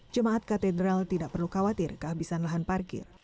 jemaat katedral tidak perlu khawatir kehabisan lahan parkir